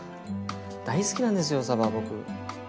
大好きなんですよさば僕。